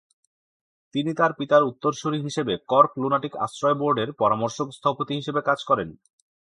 তিনি তার পিতার উত্তরসূরি হিসেবে কর্ক লুনাটিক আশ্রয় বোর্ডের পরামর্শক স্থপতি হিসেবে কাজ করেন।